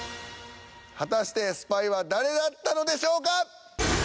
果たしてスパイは誰だったのでしょうか？